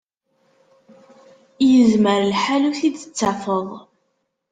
Yezmer lḥal ur t-id-tettafed.